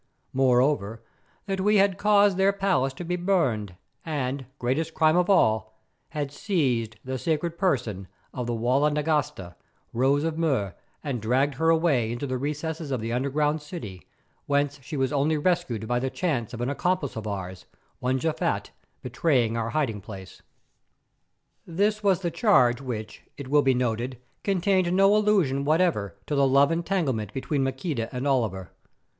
Moreover, that we had caused their palace to be burned and, greatest crime of all, had seized the sacred person of the Walda Nagasta, Rose of Mur, and dragged her away into the recesses of the underground city, whence she was only rescued by the chance of an accomplice of ours, one Japhet, betraying our hiding place. This was the charge which, it will be noted, contained no allusion whatever to the love entanglement between Maqueda and Oliver.